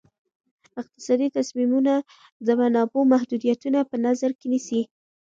اقتصادي تصمیمونه د منابعو محدودیتونه په نظر کې نیسي.